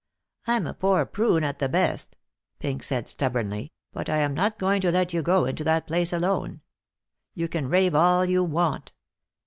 "I'm a poor prune at the best," Pink said stubbornly, "but I am not going to let you go into that place alone. You can rave all you want."